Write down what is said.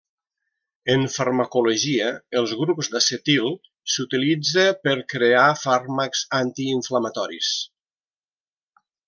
En farmacologia, els grups d'acetil, s'utilitza per crear fàrmacs antiinflamatoris.